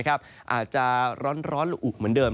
อาจจะร้อนละอุเหมือนเดิม